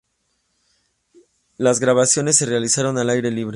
Las grabaciones se realizaron al aire libre.